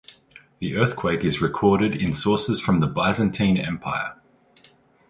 The earthquake is recorded in sources from the Byzantine Empire.